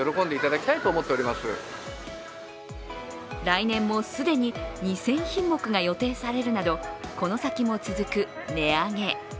来年も既に２０００品目が予定されるなどこの先も続く値上げ。